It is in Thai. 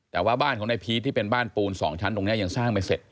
แต่ว่าบ้านของนายพีชที่เป็นบ้านปูน๒ชั้นตรงนี้ยังสร้างไม่เสร็จ